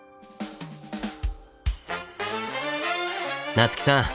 夏木さん